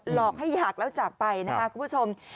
หลอกให้หักแล้วจากไปนะคะคุณผู้ชม